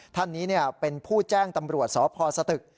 ท่านนี้เป็นผู้แจ้งตำรวจสพสตึก